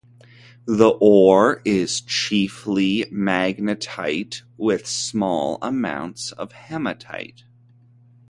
The ore is chiefly magnetite with small amounts of hematite.